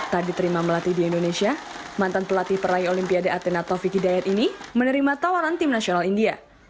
tak diterima melatih di indonesia mantan pelatih peraih olimpiade atena taufik hidayat ini menerima tawaran tim nasional india